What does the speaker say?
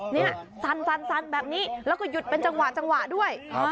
นี่สั่นแบบนี้แล้วก็หยุดเป็นจังหวะด้วย